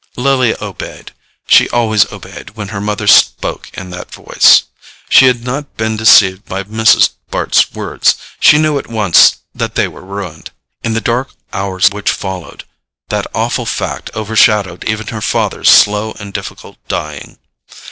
Lily obeyed; she always obeyed when her mother spoke in that voice. She had not been deceived by Mrs. Bart's words: she knew at once that they were ruined. In the dark hours which followed, that awful fact overshadowed even her father's slow and difficult dying.